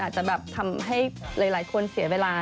จะแบบทำให้หลายคนเสียเวลา